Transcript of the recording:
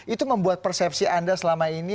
itu membuat persepsi anda selama ini